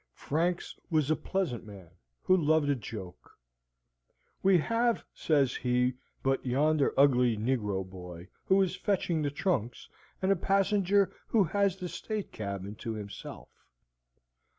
Franks was a pleasant man, who loved a joke. "We have," says he, "but yonder ugly negro boy, who is fetching the trunks, and a passenger who has the state cabin to himself."